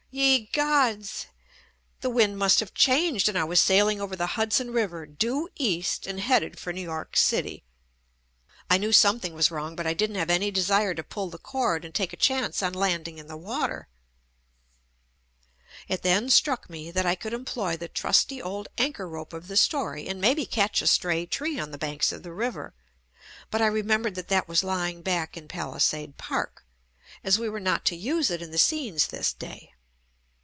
Ye, Gods! The wind must have changed and I was sailing over the Hudson River, due East and headed for New York JUST ME City. I knew something was wrong but I didn't have any desire to pull the cord and take a chance on landing in the water. It then struck me that I could employ the trusty old anchor rope of the story and maybe catch a stray tree on the banks of the river, but I remembered that that was lying back in Palisade Park, as we were not to use it in the scenes this day.